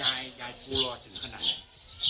หายพูมรอถึงขนาดไหน